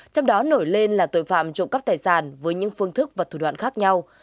trong đó nổi lên là tội phạm trộm cắp tài sản với những phương thức và thủ đoạn khác nhau